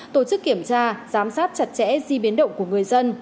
tổ chức kiểm tra giám sát chặt chẽ di biến động của người dân